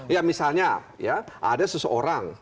ya misalnya ada seseorang